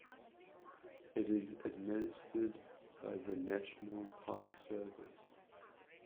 It is administered by the National Park Service.